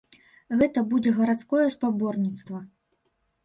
Гэта будзе гарадское спаборніцтва.